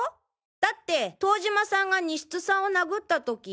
だって遠島さんが西津さんを殴ったとき。